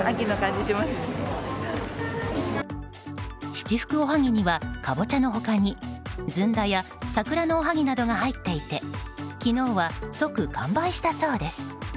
七福おはぎにはカボチャの他にずんだや桜のおはぎなどが入っていて昨日は即完売したそうです。